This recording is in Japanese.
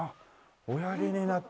おやりになってる。